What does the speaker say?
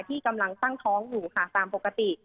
ที่กำลังตั้งท้องอยู่ค่ะตามปกติ